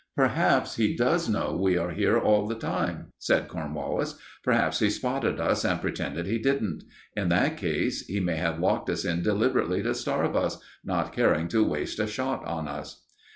"Perhaps he does know we are here all the time," said Cornwallis. "Perhaps he spotted us, and pretended he didn't. In that case he may have locked us in deliberately to starve us, not caring to waste a shot on us."